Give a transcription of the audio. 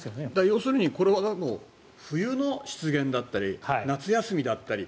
要するにこれはもう冬の湿原だったり夏休みだったり。